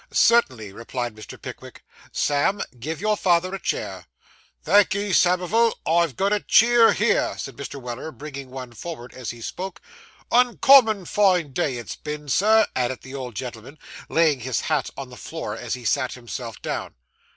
'Certainly,' replied Mr. Pickwick. 'Sam, give your father a chair.' 'Thank'ee, Samivel, I've got a cheer here,' said Mr. Weller, bringing one forward as he spoke; 'uncommon fine day it's been, sir,' added the old gentleman, laying his hat on the floor as he sat himself down.